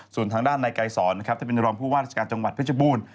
ส่วนทางด้านในไกรสอนนะครับที่เป็นรองผู้ว่าราชการจังหวัดเพชรบูรณ์